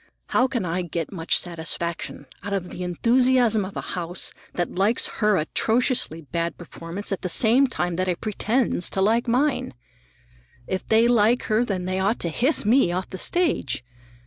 How can I get much satisfaction out of the enthusiasm of a house that likes her atrociously bad performance at the same time that it pretends to like mine? If they like her, then they ought to hiss me off the stage.